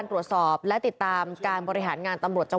พตรพูดถึงเรื่องนี้ยังไงลองฟังกันหน่อยค่ะ